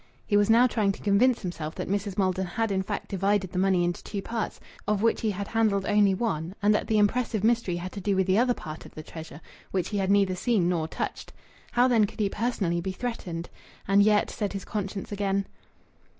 He was now trying to convince himself that Mrs. Maldon had in fact divided the money into two parts, of which he had handled only one, and that the impressive mystery had to do with the other part of the treasure, which he had neither seen nor touched. How, then, could he personally be threatened? "And yet!..." said his conscience again.